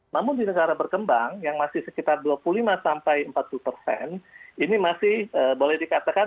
namun di negara berkembang yang masih sekitar dua puluh lima sampai empat puluh persen ini masih boleh dikatakan